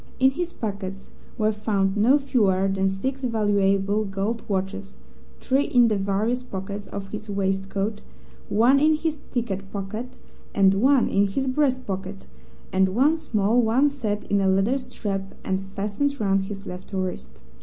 In his pockets were found no fewer than six valuable gold watches, three in the various pockets of his waist coat, one in his ticket pocket, one in his breast pocket, and one small one set in a leather strap and fastened round his left wrist.